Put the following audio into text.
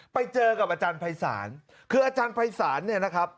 ไปเจอกับอาจารย์ภัยศาลคืออาจารย์ภัยศาลเนี่ยนะครับ